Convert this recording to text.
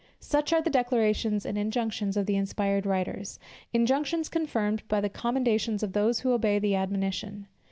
Such are the declarations and injunctions of the inspired writers; injunctions confirmed by commendations of those who obey the admonition.